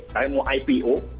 kalian mau ipo